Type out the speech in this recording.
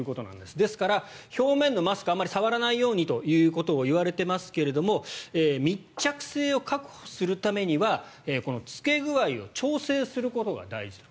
ですから、表面のマスクをあまり触らないようにと言われていますが密着性を確保するためには着け具合を調整することが大事と。